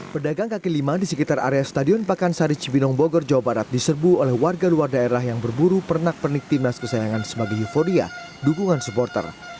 pedagang kaki lima di sekitar area stadion pakansari cibinong bogor jawa barat diserbu oleh warga luar daerah yang berburu pernak pernik timnas kesayangan sebagai euforia dukungan supporter